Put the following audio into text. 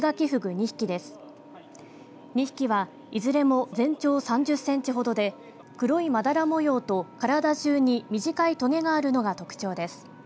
２匹はいずれも全長３０センチほどで黒いまだら模様と体中に短いとげがあるのが特徴です。